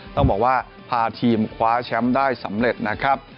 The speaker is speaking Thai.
ต้องบอกว่าพาทีมคว้าแชมป์ได้สำเร็จนะครับ